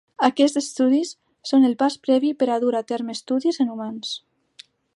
Aquests estudis són el pas previ per dur a terme estudis en humans.